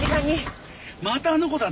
またあの子だって？